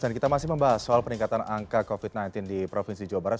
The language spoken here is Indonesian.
dan kita masih membahas soal peningkatan angka covid sembilan belas di provinsi jawa barat